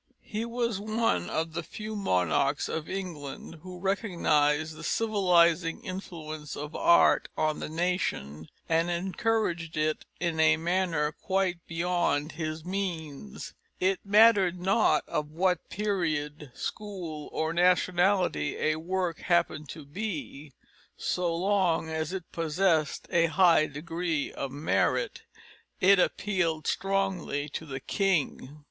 He was one of the few monarchs of England who recognised the civilising influence of art on the nation and encouraged it in a manner quite beyond his means. It mattered not of what period, school, or nationality a work happened to be, so long as it possessed a high degree of merit, it appealed strongly to the king.